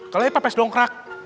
kali ini papes doang krak